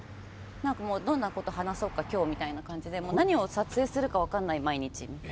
どんなこと話そうか、今日みたいな感じで何を撮影するか分からない毎日。